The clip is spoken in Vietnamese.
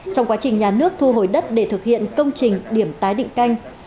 trong quá trình nhà nước thu hồi đất để thực hiện công trình điểm tái định canh